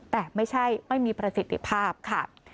แต่ไม่ใช่ไม่มีประสิทธิภาพค่ะ